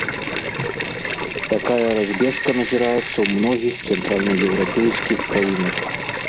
Такая разбежка назіраецца ў многіх цэнтральнаеўрапейскіх краінах.